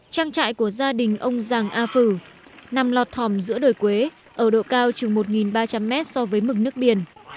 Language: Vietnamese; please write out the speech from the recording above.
trang trại của gia đình ông giàng a phử nằm lọt thòm giữa đồi quế ở độ cao chừng một ba trăm linh mét so với mực nước biển